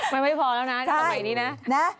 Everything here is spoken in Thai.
ไม่พอแล้วนะจะเอาใหม่นี้นะ